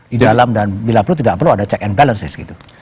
di dalam dan bila perlu tidak perlu ada check and balances gitu